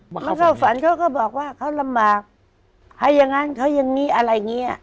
มันเข้าฝันเขาก็บอกว่าเขาลำบากหายังงั้นเขายังงี้อะไรงี้อ่ะ